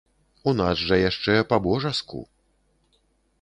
У нас жа яшчэ па-божаску.